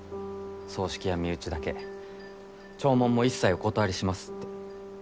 葬式は身内だけ弔問も一切お断りしますって。